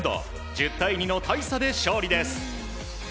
１０対２の大差で勝利です。